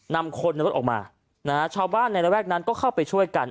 นำคนในรถออกมานะฮะชาวบ้านในระแวกนั้นก็เข้าไปช่วยกัน